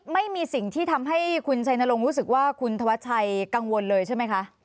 ไม่มีสิ่งที่ทำให้คุณชัยนรงค์รู้สึกว่าคุณธวัชชัยกังวลเลยใช่ไหมคะ